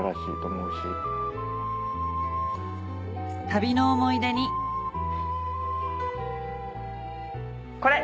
旅の思い出にこれ！